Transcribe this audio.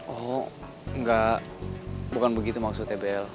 oh nggak bukan begitu maksudnya bel